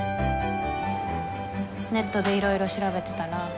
ネットでいろいろ調べてたら。